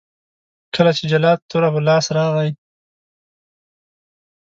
کله چې جلات توره په لاس راغی.